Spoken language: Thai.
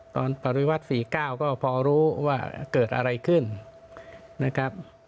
ปริวัติ๔๙ก็พอรู้ว่าเกิดอะไรขึ้นนะครับ